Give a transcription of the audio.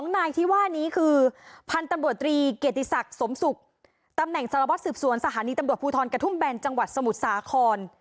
นายที่ว่านี้คือพันธุ์ตำรวจตรีเกียรติศักดิ์สมศุกร์ตำแหน่งสารวัตรสืบสวนสถานีตำรวจภูทรกระทุ่มแบนจังหวัดสมุทรสาคร